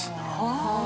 ああ！